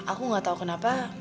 aku gak tau kenapa